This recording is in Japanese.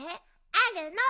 あるの！